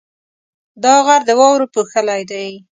دا غر د واورو پوښلی دی.